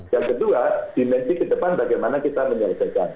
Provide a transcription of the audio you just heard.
yang kedua dimensi ke depan bagaimana kita menyelesaikan